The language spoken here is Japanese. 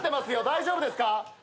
大丈夫ですか？